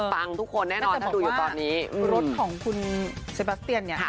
ปังทุกคนแน่นอนถ้าดูอยู่ตอนนี้น่าจะบอกว่ารถของคุณเซบาสเตียนเนี่ย